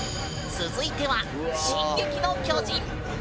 続いては「進撃の巨人」！